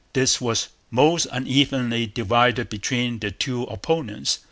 This was most unevenly divided between the two opponents.